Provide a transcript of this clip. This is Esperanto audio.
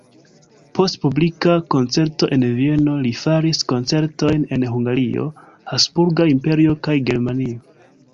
Post publika koncerto en Vieno li faris koncertojn en Hungario, Habsburga Imperio kaj Germanio.